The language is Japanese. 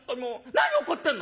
何怒ってんの！」。